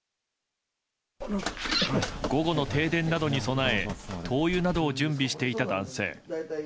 午後の停電などに備え灯油などを準備していた男性。